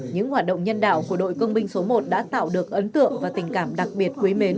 những hoạt động nhân đạo của đội công binh số một đã tạo được ấn tượng và tình cảm đặc biệt quý mến